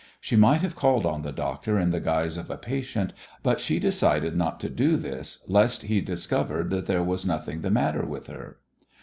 She might have called on the doctor in the guise of a patient, but she decided not to do this lest he discovered there was nothing the matter with her.